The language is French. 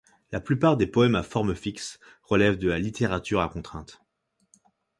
La plupart des poèmes à forme fixe relèvent de la littérature à contraintes.